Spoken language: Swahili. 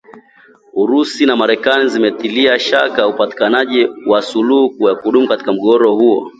Urusi na Marekani zimetilia shaka upatikanaji wa suluhu ya kudumu katika mgogoro huo